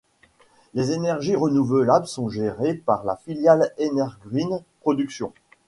Les énergies renouvelables sont gérées par la filiale Énergreen production.